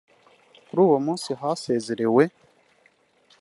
Kuri uwo munsi hasezerewe